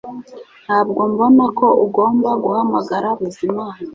Ntabwo mbona ko ugomba guhamagara Bizimana